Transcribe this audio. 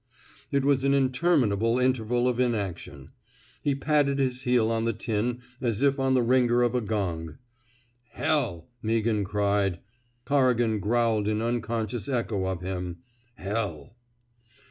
It was an interminable interval of inaction; he patted his heel on the tin as if on the ringer of a gong. Hell! *' Meaghan cried. Corrigan growled in unconscious echo of him: Hell!